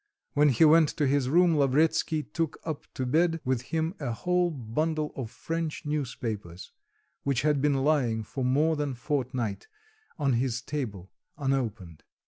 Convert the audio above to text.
When he went to his room, Lavretsky took up to bed with him a whole bundle of French newspapers, which had been lying for more than fortnight on his table unopened.